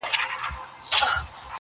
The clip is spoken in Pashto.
قاسم یار چي په خندا خېژمه دار ته ,